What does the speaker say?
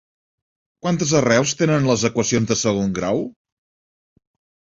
Quantes arrels tenen les equacions de segon grau?